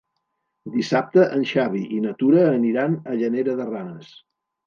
Dissabte en Xavi i na Tura aniran a Llanera de Ranes.